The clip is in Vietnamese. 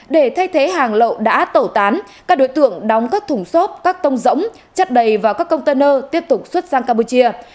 để thay thế hàng lậu đã tẩu tán các đối tượng đóng các thùng xốp các tông rỗng chất đầy vào các container tiếp tục xuất sang campuchia